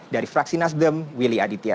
dari fraksi nasdem willy aditya